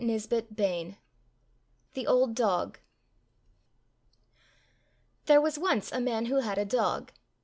125 THE OLD DOG THE OLD DOG THERE was once a man who had a dog.